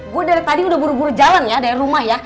gue dari tadi udah buru buru jalan ya dari rumah ya